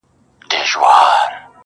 نه مي له شمعي سره شپه سوه- نه مېلې د ګلو-